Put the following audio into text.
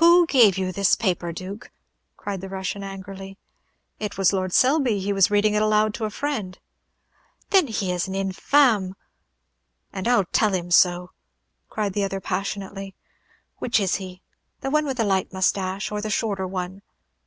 "Who gave you this paper, Duke?" cried the Russian, angrily. "It was Lord Selby. He was reading it aloud to a friend." "Then he is an infame! and I 'll tell him so," cried the other, passionately. "Which is he? the one with the light moustache, or the shorter one?"